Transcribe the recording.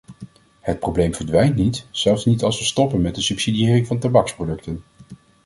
Het probleem verdwijnt niet, zelfs niet als we stoppen met de subsidiëring van tabaksproducenten.